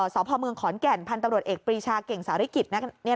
สพเมืองขอนแก่นพันธุ์ตำรวจเอกปรีชาเก่งสาริกิจ